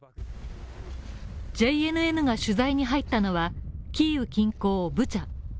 ＪＮＮが取材に入ったのはキーウ近郊ブチャ。